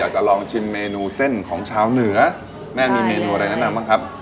อันนี้มีเมนูอะไรแนะนำหรือครับ